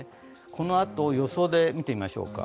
このあと予想で見てみましょうか。